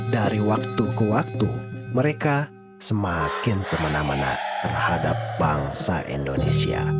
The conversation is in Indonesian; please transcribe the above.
dari waktu ke waktu mereka semakin semena mena terhadap bangsa indonesia